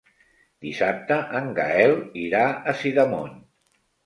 Dissabte en Gaël irà a Sidamon.